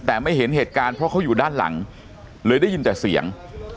แต่ไม่เห็นเหตุการณ์เพราะเขาอยู่ด้านหลังเลยได้ยินแต่เสียง